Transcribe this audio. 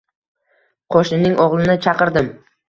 Qo`shnining o`g`lini chaqirdim